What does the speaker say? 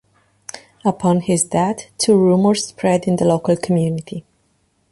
Upon his death two rumours spread in the local community.